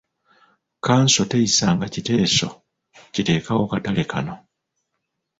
Kkanso teyisanga kiteeso kiteekawo katale kano.